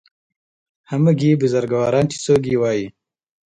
همګي بزرګواران چې څوک یې وایي